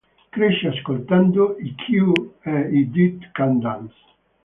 Cresce ascoltando i Cure e i Dead Can Dance.